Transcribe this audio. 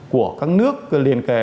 của các nước liên kề